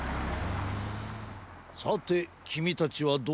さてきみたちはどうする？